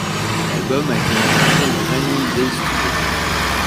L'album a été enregistré aux Rainy Day Studios.